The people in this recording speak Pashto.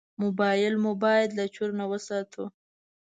موبایل مو باید له چور نه وساتو.